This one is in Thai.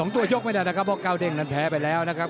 ตัวยกไม่ได้นะครับเพราะก้าวเด้งนั้นแพ้ไปแล้วนะครับ